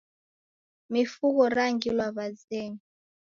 Mifugho rangirwa w'azenyi.